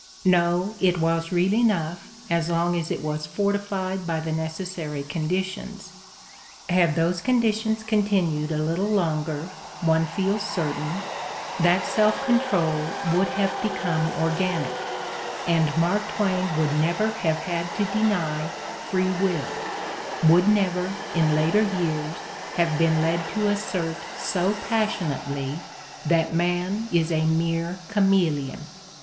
No, it was real enough as long as it was forti fied by the necessary conditions: had those conditions continued a little longer, one feels certain, that self con trol would have become organic and Mark Twain would never have had to deny "free will," would never, in later years, have been led to assert so passionately that man is a mere chameleon.